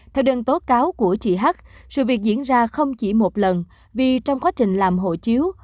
theo đơn tố cáo của chị h sự việc diễn ra không chỉ một lần vì trong quá trình làm hộ chiếu